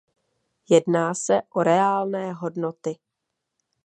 Jedná se o reálné hodnoty.